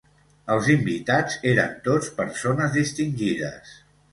Els invitats eren tots persones distingides.